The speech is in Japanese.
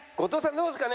どうですかね？